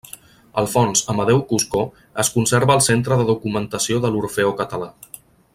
El fons Amadeu Cuscó es conserva al Centre de Documentació de l’Orfeó Català.